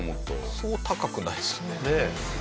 そう高くないですね。